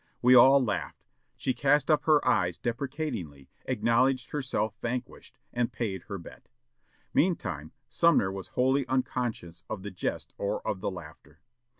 We all laughed. She cast up her eyes deprecatingly, acknowledged herself vanquished, and paid her bet. Meantime, Sumner was wholly unconscious of the jest or of the laughter.